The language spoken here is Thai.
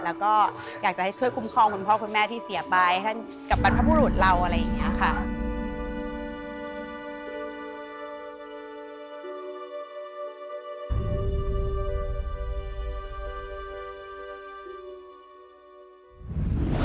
แล้วก็อยากจะให้ช่วยคุ้มครองคุณพ่อคุณแม่ที่เสียไปท่านกับบรรพบุรุษเราอะไรอย่างนี้ค่ะ